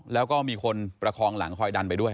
แล้วก็มีคนประคองหลังคอยดันไปด้วย